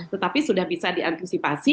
tetapi sudah bisa diantisipasi